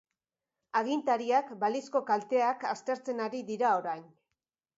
Agintariak balizko kalteak aztertzen ari dira orain.